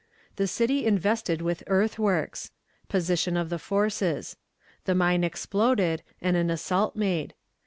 The City invested with Earthworks. Position of the Forces. The Mine exploded, and an Assault made.